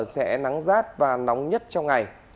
sẽ nắng rát và nóng nhất trong ngày